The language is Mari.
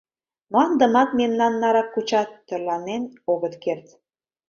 Мландымат мемнан нарак кучат — тӧрланен огыт керт.